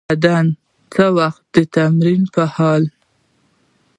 بدن څه وخت د تمرین پر مهال